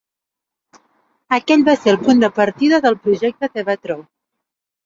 Aquell va ser el punt de partida del projecte Tevatró.